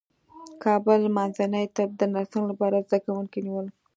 کابل منځني طب د نرسنګ لپاره زدکوونکي نیول